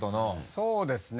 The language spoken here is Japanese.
そうですね